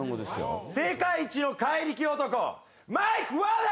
世界一の怪力男マイク・ワダ！